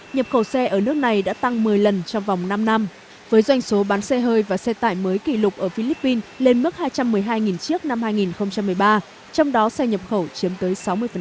nhập khẩu xe ở nước này đã tăng một mươi lần trong vòng năm năm với doanh số bán xe hơi và xe tải mới kỷ lục ở philippines lên mức hai trăm một mươi hai chiếc năm hai nghìn một mươi ba trong đó xe nhập khẩu chiếm tới sáu mươi